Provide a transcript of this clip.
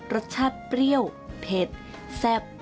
รสชาติเปรี้ยวเผ็ดแซ่บ